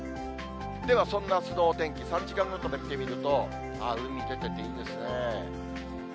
では、そんなあすのお天気、３時間ごとで見てみると、海出てていいですね。